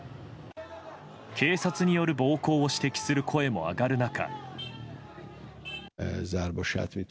警察による暴行を指摘する声も上がる中。